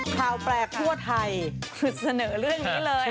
ข่าวแปลกทั่วไทยสุดเสนอเรื่องนี้เลย